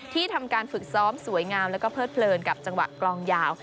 ทำการฝึกซ้อมสวยงามแล้วก็เลิดเพลินกับจังหวะกลองยาว